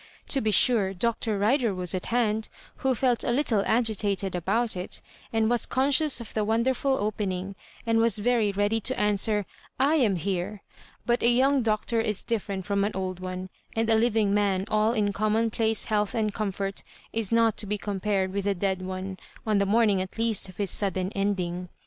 To be sure. Dr. Bider was at hand, who felt a little agitated about it, and was conscious of the wonderful opening, and was very ready to answer, "I am here ;" but a young doctor Is diOferent from an old one, and a living man all in commonplace health and comfort is not to be compared with a dead one, on the morning at least of his sudden ending.